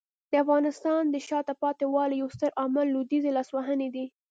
د افغانستان د شاته پاتې والي یو ستر عامل لویدیځي لاسوهنې دي.